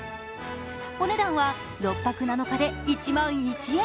お値段は６泊７日で１万１円。